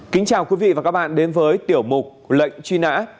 kính chào quý vị và các bạn đến với tiểu mục lệnh truy nã